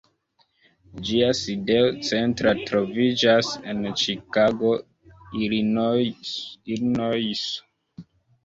Ĝia sidejo centra troviĝas en Ĉikago, Ilinojso.